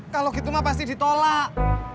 kalau gitu mah pasti ditolak